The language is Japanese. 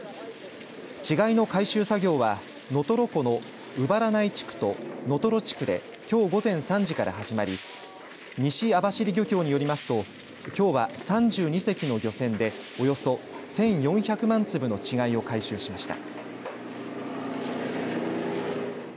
稚貝の回収作業は能取湖の卯原内地区と能取地区できょう午前３時から始まり西網走漁協によりますときょうは３２隻の漁船でおよそ１４００万粒の稚貝を回収しました。